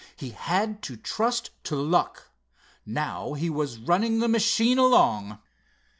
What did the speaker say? He had to trust to luck. Now he was running the machine along.